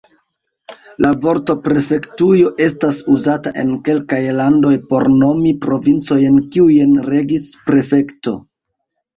La vorto prefektujo estas uzata en kelkaj landoj por nomi provincojn kiujn regis prefekto.